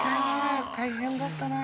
大変だったな。